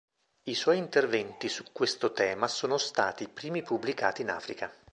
I suoi interventi su questo tema sono stati i primi pubblicati in Africa.